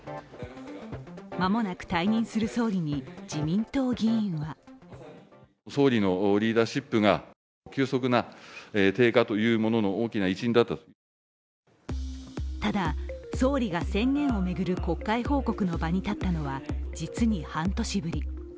間もなく退任する総理に自民党議員はただ、総理が宣言を巡る国会報告の場に立ったのは、実に半年ぶり。